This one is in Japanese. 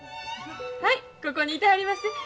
はいここにいてはります。